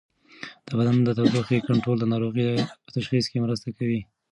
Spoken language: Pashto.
د بدن د تودوخې کنټرول د ناروغۍ په تشخیص کې مرسته کوي.